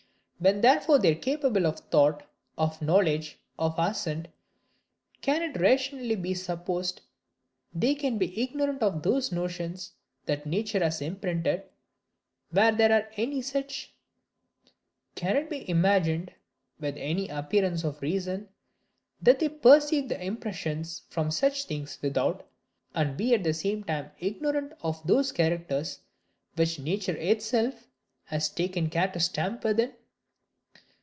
When therefore they are capable of thought, of knowledge, of assent, can it rationally be supposed they can be ignorant of those notions that nature has imprinted, were there any such? Can it be imagined, with any appearance of reason, that they perceive the impressions from things without, and be at the same time ignorant of those characters which nature itself has taken care to stamp within?